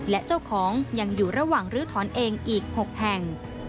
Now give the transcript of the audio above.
และเจ้าของยังอยู่ระหว่างลื้อถอนเองอีก๖แห่ง